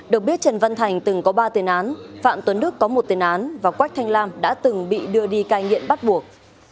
được biết trần văn thành từng có ba tiền án phạm tuấn đức có một tên án và quách thanh lam đã từng bị đưa đi cai nghiện bắt buộc